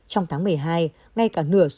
trong tháng một mươi hai ngay cả nửa số